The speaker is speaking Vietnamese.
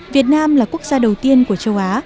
việt nam là quốc gia đầu tiên của châu á